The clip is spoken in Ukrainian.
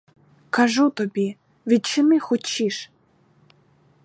Кажу тобі, відчини хутчіш!